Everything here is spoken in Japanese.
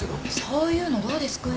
そういうのどうですか？